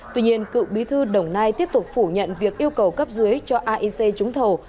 tuy nhiên cựu bí thư đồng nai tiếp tục phủ nhận việc yêu cầu cấp dưới cho aic trúng thầu